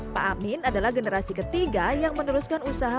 pak amin adalah generasi ketiga yang meneruskan usaha